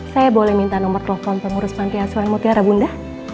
saya boleh minta nomor telepon pengurus panti asuhan mutiara bunda